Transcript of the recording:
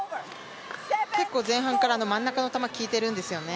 結構前半からの真ん中の球、きいてるんですよね。